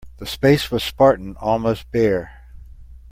The space was spartan, almost bare.